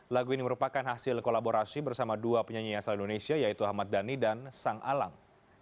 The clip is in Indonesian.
lagu ini merupakan hasil kolaborasi bersama dua penyanyi asal indonesia yaitu ahmad dhani dan sang alang